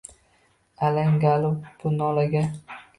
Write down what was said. Alangali bu nolaga